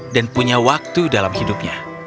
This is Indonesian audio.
dan punya waktu dalam hidupnya